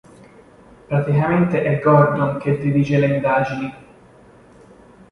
Praticamente è Gordon che dirige le indagini.